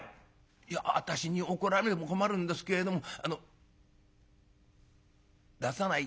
「いや私に怒られても困るんですけれどもあの出さない